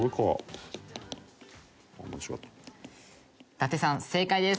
伊達さん正解です。